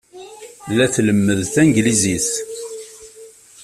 La tlemmed tanglizit.